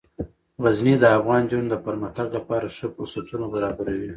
غزني د افغان نجونو د پرمختګ لپاره ښه فرصتونه برابروي.